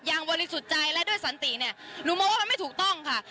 บริสุทธิ์ใจและด้วยสันติเนี่ยหนูมองว่ามันไม่ถูกต้องค่ะ